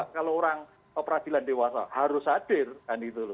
kalau orang peradilan dewasa harus hadir kan itu lho